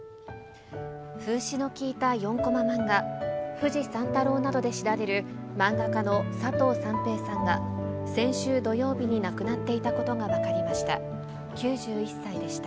風刺の効いた４コマ漫画、フジ三太郎などで知られる漫画家のサトウサンペイさんが、先週土曜日に亡くなっていたことが分かりました。